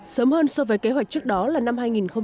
sớm hơn so với kế hoạch trước đó là năm hai nghìn hai mươi